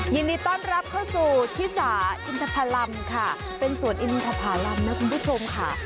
ยินดีต้อนรับเข้าสู่ชิสาอินทพลัมค่ะเป็นสวนอินทภารำนะคุณผู้ชมค่ะ